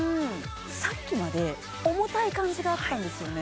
さっきまで重たい感じがあったんですよね